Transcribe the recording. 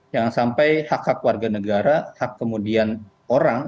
jangan sampai hak hak warga negara hak kemudian orang